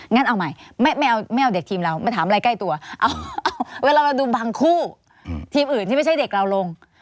งั้นเอาใหม่ไม่เอาเด็กทีมเรามาถามอะไรใกล้ตัวเอาเวลาเราดูบางคู่ทีมอื่นที่ไม่ใช่เด็กเราลง